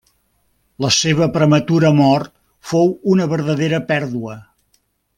La seva prematura mort fou una verdadera pèrdua.